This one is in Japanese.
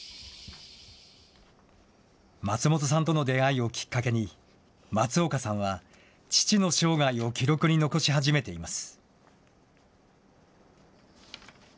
松本さんとの出会いをきっかけに、松岡さんは父の生涯を記録に残し始めています。